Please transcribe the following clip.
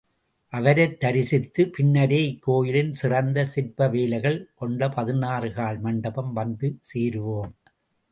அவரைத் தரிசித்த பின்னரே, இக்கோயிலின் சிறந்த சிற்ப வேலைகள் கொண்ட பதினாறு கால் மண்டபம் வந்து சேருவோம்.